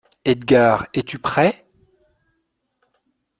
Edgard ! es-tu prêt ?